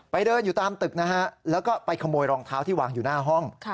เดินอยู่ตามตึกนะฮะแล้วก็ไปขโมยรองเท้าที่วางอยู่หน้าห้อง